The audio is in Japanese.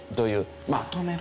まとめる。